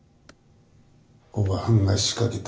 おばはんが仕掛けた。